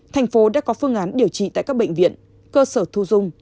thành phố đã có phương án điều trị tại các bệnh viện cơ sở thu dung